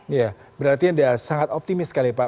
iya berarti anda sangat optimis sekali pak